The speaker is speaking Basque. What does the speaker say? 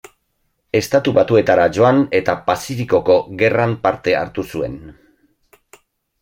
Estatu Batuetara joan eta Pazifikoko Gerran parte hartu zuen.